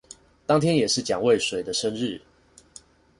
當天也是蔣渭水的生日